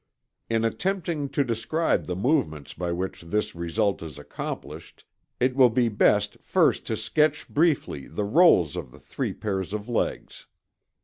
In attempting to describe the movements by which this result is accomplished it will be best first to sketch briefly the roles of the three pairs of legs.